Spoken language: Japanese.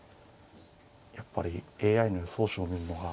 やっぱりＡＩの予想手を見るのが。